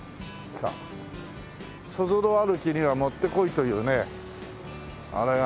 さあそぞろ歩きにはもってこいというねあれが。